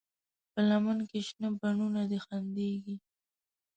په لمن کې شنه بڼوڼه دي خندېږي